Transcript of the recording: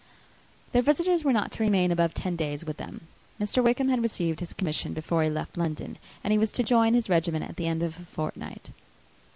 Their visitors were not to remain above ten days with them. Mr. Wickham had received his commission before he left London, and he was to join his regiment at the end of a fortnight.